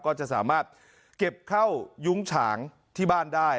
ก็จะสามารถเก็บเข้ายุ้งฉางที่บ้านได้